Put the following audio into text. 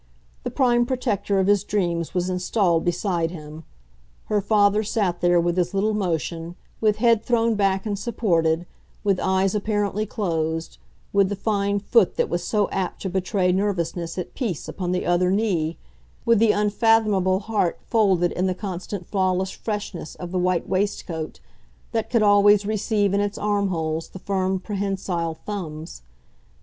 The prime protector of his dreams was installed beside him; her father sat there with as little motion with head thrown back and supported, with eyes apparently closed, with the fine foot that was so apt to betray nervousness at peace upon the other knee, with the unfathomable heart folded in the constant flawless freshness of the white waistcoat that could always receive in its armholes the firm prehensile thumbs.